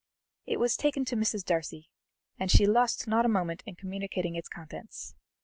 It was taken to Mrs. Darcy, and she lost not a moment in communicating its contents.